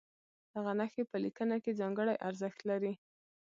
دغه نښې په لیکنه کې ځانګړی ارزښت لري.